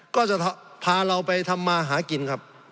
ก็จะพาเราไปทำมาหากินครับ